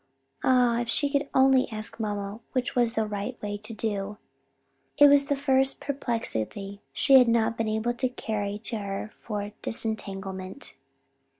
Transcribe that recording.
Ah, if she could only ask mamma which was the right way to do! This was the first perplexity she had not been able to carry to her for disentanglement.